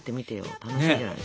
楽しいじゃないですか。